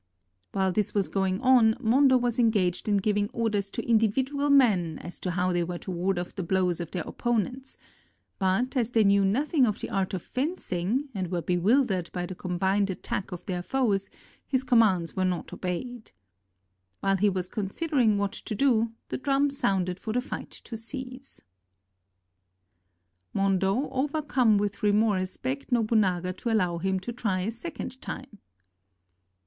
While this was going on, Hondo was engaged in giving orders to individual men as to how they were to ward off the blows of their opponents; but, as they knew no thing of the art of fencing and were bewildered by the combined attack of their foes, his commands were not obeyed. While he was considering what to do, the drum sounded for the fight to cease. Hondo, overcome with remorse, begged Nobunaga to allow him to try a second time.